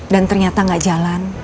dan ternyata gak jalan